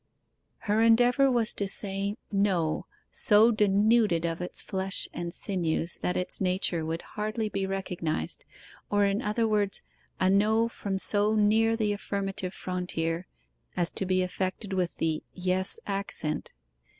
Her endeavour was to say No, so denuded of its flesh and sinews that its nature would hardly be recognized, or in other words a No from so near the affirmative frontier as to be affected with the Yes accent.